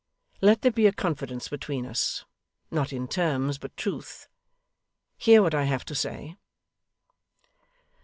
Let there be a confidence between us; not in terms, but truth. Hear what I have to say.